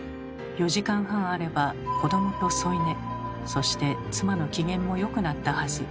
４時間半あれば子どもと添い寝そして妻の機嫌も良くなったはず。